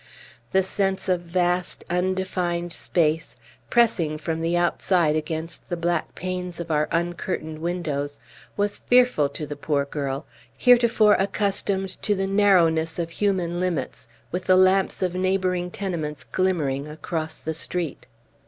The sense of vast, undefined space, pressing from the outside against the black panes of our uncurtained windows, was fearful to the poor girl, heretofore accustomed to the narrowness of human limits, with the lamps of neighboring tenements glimmering across the street.